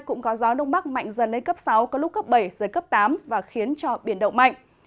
cũng có gió đông bắc mạnh dần lên cấp sáu có lúc cấp bảy giật cấp tám và khiến cho biển động mạnh